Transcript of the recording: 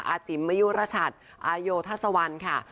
อาจิมมยุรชัตต์อาโยธสวรรค์ค่ะ